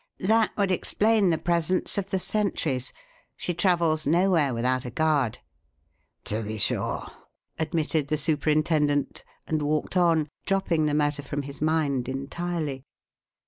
That would explain the presence of the sentries. She travels nowhere without a guard." "To be sure," admitted the superintendent, and walked on, dropping the matter from his mind entirely.